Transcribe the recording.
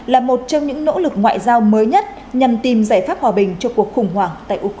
là một trong những nỗ lực ngoại giao mới nhất nhằm tìm giải pháp hòa bình cho cuộc khủng hoảng tại ukraine